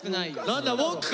何だ文句か？